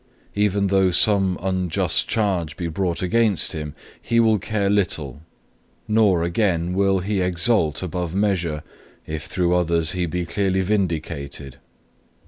Even though some unjust charge be brought against him, he will care little; nor, again, will he exult above measure, if through others he be clearly vindicated.